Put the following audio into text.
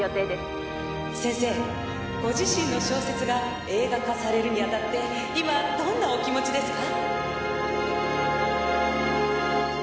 先生ご自身の小説が映画化されるにあたって今どんなお気持ちですか？